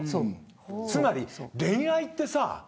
つまり恋愛ってさ。